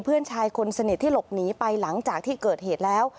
เพื่อนชายคนสนิทที่หลบหนีไปหลังจากที่เกิดเหตุแล้ว